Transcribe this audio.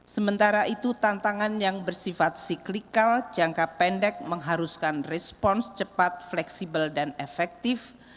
sementara itu tantangan yang bersifat cyclikal jangka pendek mengharuskan respons cepat fleksibel dan efektif